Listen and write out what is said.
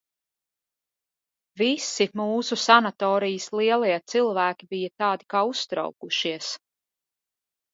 Visi mūsu sanatorijas lielie cilvēki bija tādi kā uztraukušies.